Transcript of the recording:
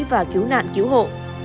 và cứu nạn cứu hộ